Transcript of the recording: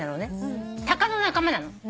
タカの仲間なの。